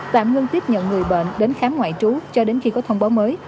tạm ngưng tiếp nhận người bệnh đến khám ngoại trú cho đến khi có thông báo mới